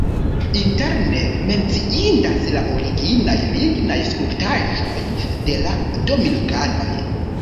Interne menciindas la originaj lignaj skulptaĵoj de la dominikanoj.